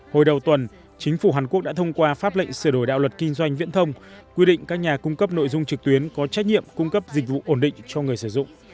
hồi đầu tuần chính phủ hàn quốc đã thông qua pháp lệnh sửa đổi đạo luật kinh doanh viễn thông quy định các nhà cung cấp nội dung trực tuyến có trách nhiệm cung cấp dịch vụ ổn định cho người sử dụng